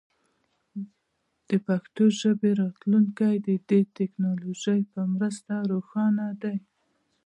د پښتو ژبې راتلونکی د دې ټکنالوژۍ په مرسته روښانه دی.